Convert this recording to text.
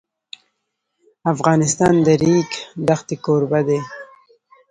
افغانستان د د ریګ دښتې کوربه دی.